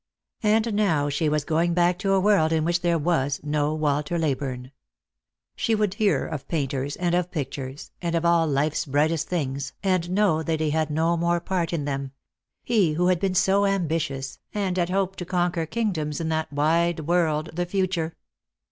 And now she was going back to a world in which there was no Walter Leyburne. She would hear of painters and of pictures, and of all life's brightest things, and know that he had no more part in them ; he who had been so ambitious, and had hoped to conquer kingdoms in that wide world, the future.